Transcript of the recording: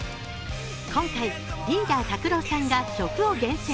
今回、リーダー・ＴＡＫＵＲＯさんが曲を厳選。